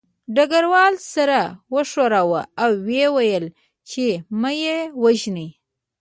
ډګروال سر وښوراوه او ویې ویل چې مه یې وژنئ